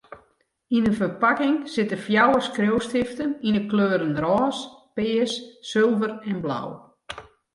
Yn in ferpakking sitte fjouwer skriuwstiften yn 'e kleuren rôs, pears, sulver en blau.